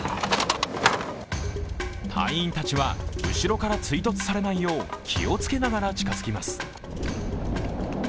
隊員たちは後ろから追突されないよう、気をつけながら近づきます。